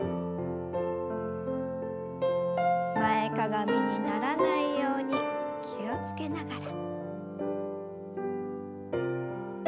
前かがみにならないように気を付けながら。